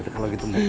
kalau gitu mak